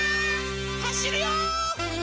はしるよ！